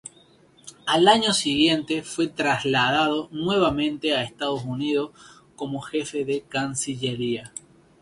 Al año siguiente fue trasladado nuevamente a Estados Unidos como Jefe de Cancillería.